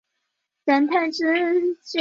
站台之间目前有人行天桥连接。